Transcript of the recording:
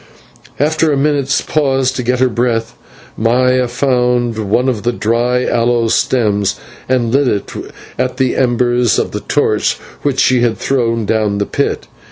After a minute's pause to get her breath, Maya found one of the dry aloe stems, and lit it at the embers of the torch which she had thrown down the pit.